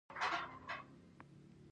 دا یو دوه اړخیزه اړیکه ده.